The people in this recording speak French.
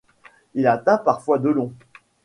Il atteint parfois de long.